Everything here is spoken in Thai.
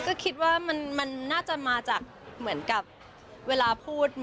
ก็คิดว่ามันน่าจะมาจากเหมือนกับเวลาพูด